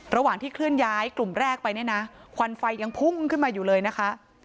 ระหว่างที่เคลื่อนย้ายกลุ่มแรกไปเนี่ยนะควันไฟยังพุ่งขึ้นมาอยู่เลยนะคะ